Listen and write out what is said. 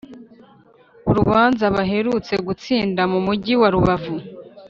Urubanza baherutse gutsinda mu mugi wa Rubavu